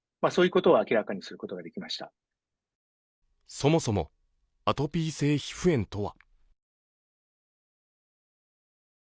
そもそもアトピー性皮膚炎とは。